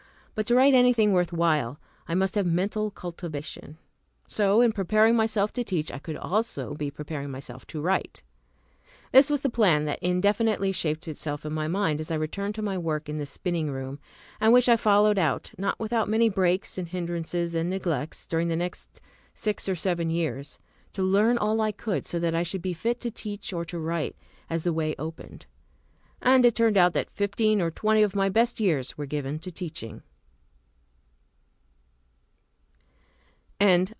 But to write anything worth while, I must have mental cultivation; so, in preparing myself to teach, I could also be preparing myself to write. This was the plan that indefinitely shaped itself in my mind as I returned to my work in the spinning room, and which I followed out, not without many breaks and hindrances and neglects, during the next six or seven years, to learn all I could, so that I should be fit to teach or to write, as the way opened. And it turned out that fifteen or twenty of my best years were given to teaching.